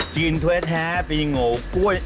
จีนถ้วยแท้ปีโงคุ้ย